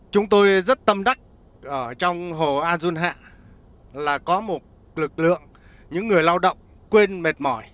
chúng tôi rất tâm đắc ở trong hồ a dun hạ là có một lực lượng những người lao động quên mệt mỏi